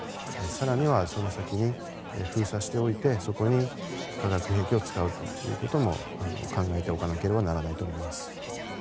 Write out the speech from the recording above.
更にはその先に封鎖しておいてそこに化学兵器を使うということも考えておかなければならないと思います。